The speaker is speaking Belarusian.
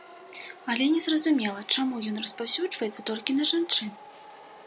Але незразумела, чаму ён распаўсюджваецца толькі на жанчын.